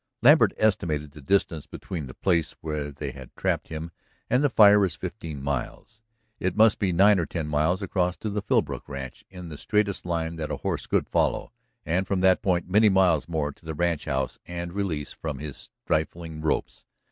Lambert estimated the distance between the place where they had trapped him and the fire as fifteen miles. It must be nine or ten miles across to the Philbrook ranch, in the straightest line that a horse could follow, and from that point many miles more to the ranchhouse and release from his stifling ropes.